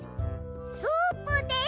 スープです！